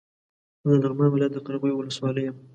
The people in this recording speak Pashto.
زه د لغمان ولايت د قرغيو ولسوالۍ يم